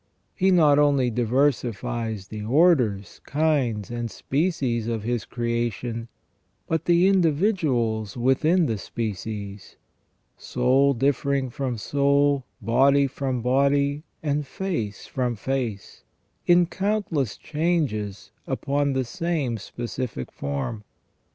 He not only diversifies the orders, kinds, and species of His creation, but the individuals within the species, soul differing from soul, body from body, and face from face, in count less changes upon the same specific form.